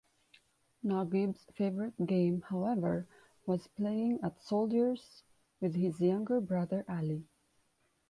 Naguib's favourite game, however, was playing at soldiers with his younger brother, Ali.